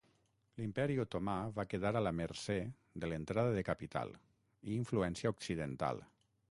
L'imperi Otomà va quedar a la mercè de l'entrada de capital i influència occidental.